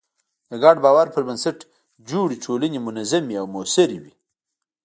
د ګډ باور پر بنسټ جوړې ټولنې منظمې او موثرې وي.